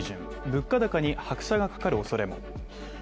物価高に拍車がかかる恐れも。